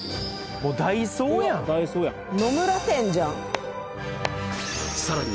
ダイソーやんさらに